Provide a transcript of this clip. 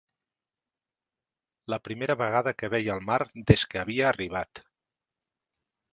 La primera vegada que veia el mar des que havia arribat